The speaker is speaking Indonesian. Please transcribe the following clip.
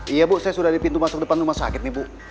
iya bu saya sudah di pintu masuk depan rumah sakit nih bu